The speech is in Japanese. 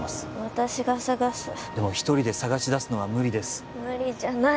私が捜すでも一人で捜し出すのは無理です無理じゃない